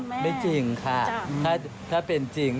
อันนี้แม่ยืนยันอีกครั้งหนึ่งว่าจริงหรือไม่จริงแม่